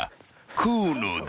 河野だ］